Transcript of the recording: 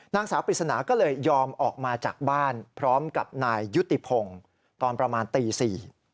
นางสาวปริศนาก็เลยยอมออกมาจากบ้านพร้อมกับนายยุติพงศ์ตอนประมาณตีสี่